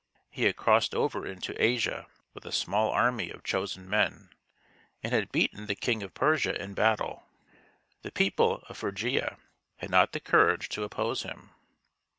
He had crossed over into Asia with a small army of chosen men, and had beaten the king of Persia in battle. The people of Phrygia had not the courage to oppose him.